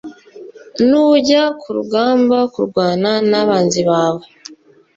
Nujya ku rugamba kurwana n abanzi bawe